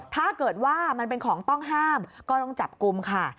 ถ้าเกิดว่ามันเป็นของต้องห้ามก็ต้องจับกลุ่มค่ะ